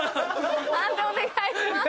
判定お願いします。